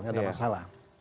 tidak ada masalah